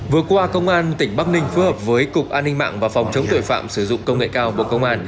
vừa qua công an tỉnh bắc ninh phối hợp với cục an ninh mạng và phòng chống tội phạm sử dụng công nghệ cao bộ công an